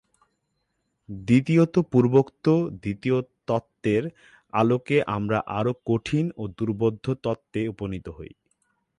দ্বিতীয়ত পূর্বোক্ত দ্বিতীয় তত্ত্বের আলোকে আমরা আরও কঠিন ও দুর্বোধ্য তত্ত্বে উপনীত হই।